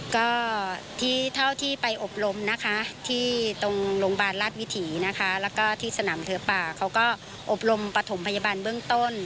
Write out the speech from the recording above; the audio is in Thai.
ก็ที่เท่าที่ไปอบรมนะคะที่ตรงโรงพยาบาลราชวิถีนะคะแล้วก็ที่สนามเสือป่าเขาก็อบรมปฐมพยาบาลเบื้องต้น